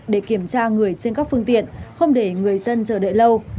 để kiểm tra người trên các phương tiện không để người dân chờ đợi lâu